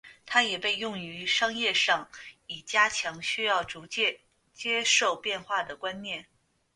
它也被用于商业上以加强需要逐渐接受变化的观念。